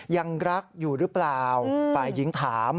ยังรักอยู่หรือเปล่าฝ่ายหญิงถาม